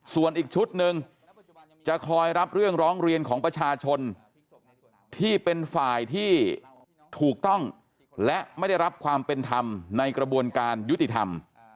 ส่วนอีกชุดหนึ่งจะคอยรับเรื่องร้องเรียนของประชาชนที่เป็นฝ่ายที่ถูกต้องและไม่ได้รับความเป็นธรรมในกระบวนการยุติธรรม